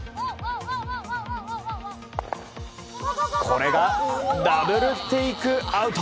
これがダブルテイクアウト！